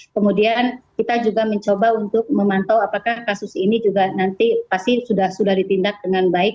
kemudian kita juga mencoba untuk memantau apakah kasus ini juga nanti pasti sudah ditindak dengan baik